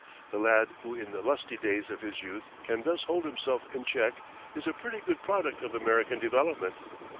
The lad who in the lusty days of his youth can thus hold himself in check is a pretty good product of American development.